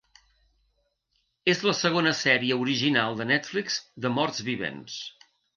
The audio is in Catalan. És la segona sèrie original de Netflix de morts vivents.